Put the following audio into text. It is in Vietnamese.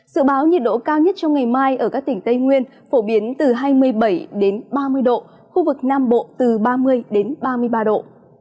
dự báo nhiệt độ cao nhất trong ngày mai ở các tỉnh tây nguyên phổ biến từ hai mươi bảy ba mươi độ khu vực nam bộ từ ba mươi ba mươi ba độ